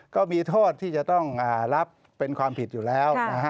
ก็มีโทษที่จะต้องรับเป็นความผิดอยู่แล้ว